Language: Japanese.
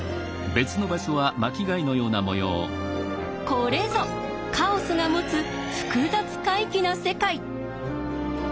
これぞカオスが持つ複雑怪奇な世界！